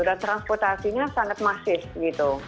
dan transportasinya sangat masif gitu